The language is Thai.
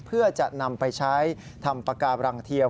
เพื่อจะนำไปใช้ทำปากการังเทียม